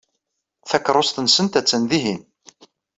Takeṛṛust-nsent attan dihin.